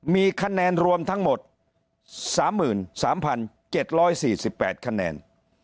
มีคะแนนรวมทั้งหมดสามหมื่นสามพันเจ็ดร้อยสี่สิบแปดคะแนน